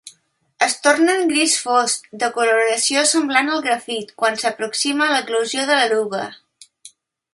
Es tornen gris fosc, de coloració semblant al grafit, quan s'aproxima l'eclosió de l'eruga.